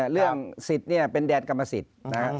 เรื่องสิทธิ์เป็นแดนกรรมสิทธิ์นะครับ